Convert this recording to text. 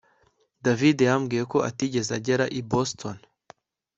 David yambwiye ko atigeze agera i Boston